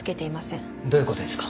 どういう事ですか？